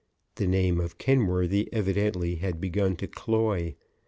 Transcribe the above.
The name of Kenworthy evidently had begun to cloy.